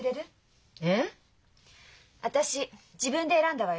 えっ？